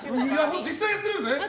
実際にやってるんですね。